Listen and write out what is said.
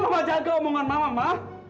mama jaga omongan mama ma